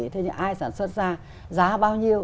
thế nhưng ai sản xuất ra giá bao nhiêu